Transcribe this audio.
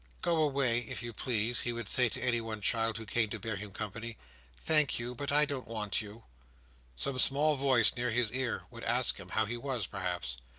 "Go away, if you please," he would say to any child who came to bear him company. "Thank you, but I don't want you." Some small voice, near his ear, would ask him how he was, perhaps.